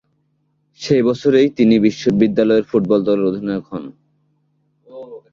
সে বছরই তিনি বিদ্যালয়ের ফুটবল দলের অধিনায়ক হন।